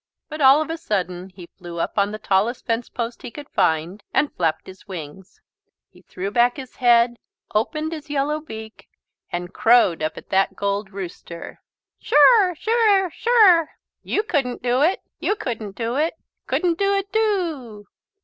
But all of a sudden he flew up on the tallest fence post he could find, and flapped his wings. He threw back his head, opened his yellow beak, and crowed up at that gold rooster: "Sure, sure, sure! You couldn't do it, you couldn't do it couldn't do it, do."